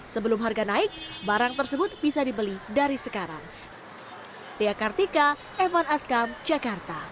sebelum harga naik barang tersebut bisa dibeli dari sekarang